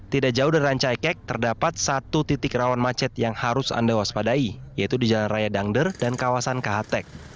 tidak jauh dari rancaikek terdapat satu titik rawan macet yang harus anda waspadai yaitu di jalan raya dangder dan kawasan kahatek